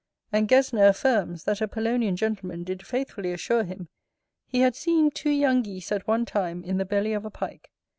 And Gesner affirms, that a Polonian gentleman did faithfully assure him, he had seen two young geese at one time in the belly of a Pike.